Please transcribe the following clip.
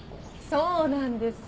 そうなんです。